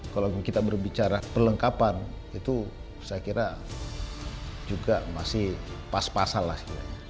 kalau kita berbicara perlengkapan itu saya kira juga masih pas pasal lah